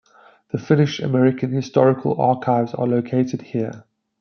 The Finnish American Historical Archives are located here.